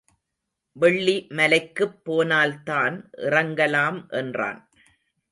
வெள்ளிமலைக்குப் போனால்தான் இறங்கலாம் என்றான்.